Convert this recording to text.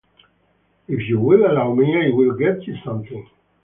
If you will allow me, I will get you something.